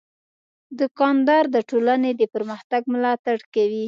دوکاندار د ټولنې د پرمختګ ملاتړ کوي.